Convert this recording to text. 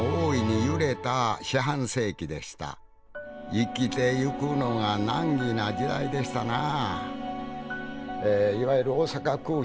生きてゆくのが難儀な時代でしたなぁ